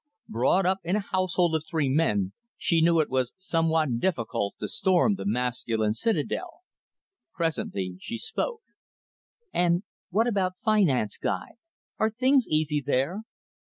Brought up in a household of three men, she knew it was somewhat difficult to storm the masculine citadel. Presently she spoke. "And what about finance, Guy? Are things easy there?"